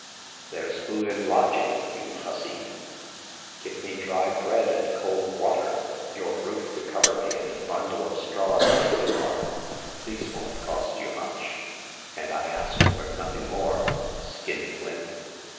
There's food and lodging, you hussy. 'Give me dry bread and cold water, your roof to cover me, and a bundle of straw to sleep on. These won't cost you much, and I ask for nothing more — Skinflint."